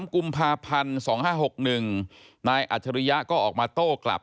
กุมภาพันธ์๒๕๖๑นายอัจฉริยะก็ออกมาโต้กลับ